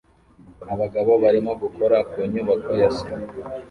Abagabo barimo gukora ku nyubako ya sima